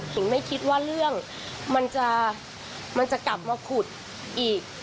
ไม่คิดว่าเรื่องมันจะกลับมาขุดอีก